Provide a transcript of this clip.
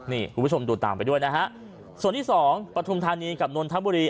นี่คุณผู้ชมดูตามไปด้วยนะฮะส่วนที่สองปฐุมธานีกับนนทบุรี